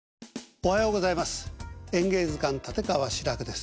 おはようございます。